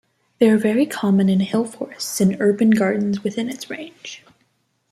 They are very common in hill forests and urban gardens within its range.